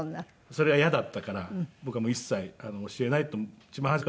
それが嫌だったから僕はもう一切教えないと一番初めから宣言しまして。